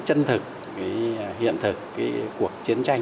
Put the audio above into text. chân thực hiện thực